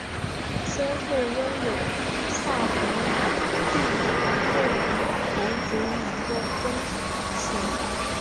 先后拥有萨博蒂诺侯爵两个封衔。